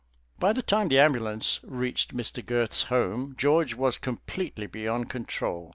By the time the ambulance reached Mr. Girth's home George was completely beyond control.